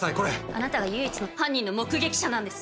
あなたが唯一の犯人の目撃者なんです。